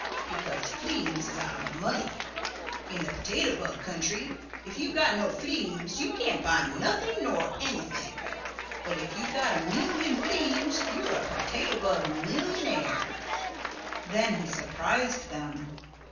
"Because fleems is our money. In the Potato Bug Country, if you got no fleems you can't buy nothing nor anything. But if you got a million fleems you're a Potato Bug millionaire." Then he surprised them.